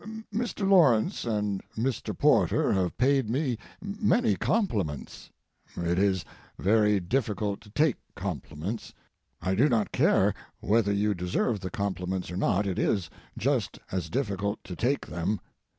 Mr. Lawrence and Mr. Porter have paid me many compliments. It is very difficult to take compliments. I do not care whether you deserve the compliments or not, it is just as difficult to take them.